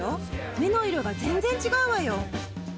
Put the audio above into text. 目の色が全然違うわよ。